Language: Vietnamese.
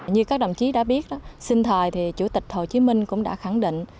như các đồng chí đã biết sinh thời chủ tịch hồ chí minh cũng đã khẳng định